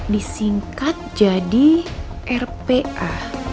disingkat jadi rpa